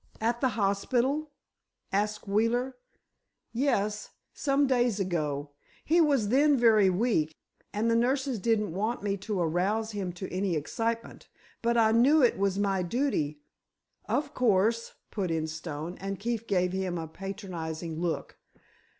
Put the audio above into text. "At the hospital?" asked Wheeler. "Yes; some days ago. He was then very weak, and the nurses didn't want me to arouse him to any excitement. But I knew it was my duty——" "Of course," put in Stone, and Keefe gave him a patronizing look.